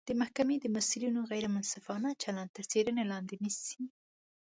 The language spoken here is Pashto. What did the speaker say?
د محکمې د مسوولینو غیر منصفانه چلند تر څیړنې لاندې نیسي